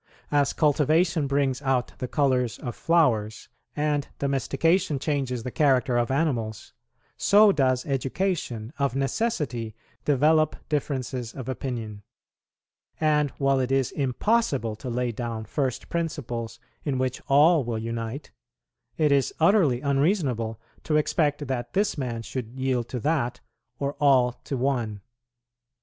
As cultivation brings out the colours of flowers, and domestication changes the character of animals, so does education of necessity develope differences of opinion; and while it is impossible to lay down first principles in which all will unite, it is utterly unreasonable to expect that this man should yield to that, or all to one.